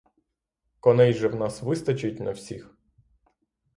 Коней же в нас вистачить на всіх?